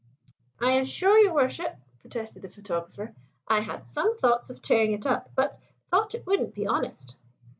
"I assure your Worship " protested the photographer. "I had some thoughts of tearing it up, but thought it wouldn't be honest."